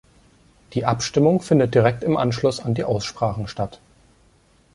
Die Abstimmung findet direkt im Anschluss an die Aussprachen statt.